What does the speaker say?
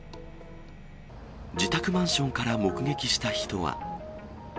自宅マンションから目撃した人は。